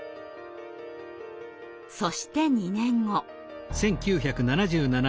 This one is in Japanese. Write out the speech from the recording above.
そして２年後。